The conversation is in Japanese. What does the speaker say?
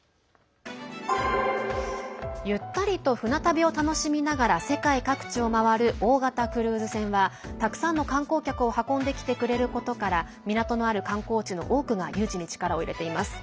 ゆったりと船旅を楽しみながら世界各地を回る大型クルーズ船はたくさんの観光客を運んできてくれることから港のある観光地の多くが誘致に力を入れています。